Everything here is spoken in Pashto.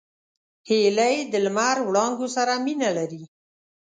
هیلۍ د لمر وړانګو سره مینه لري